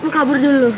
mau kabur dulu